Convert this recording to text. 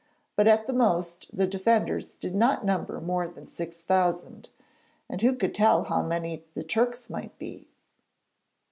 But at the most the defenders did not number more than 6,000, and who could tell how many the Turks might be?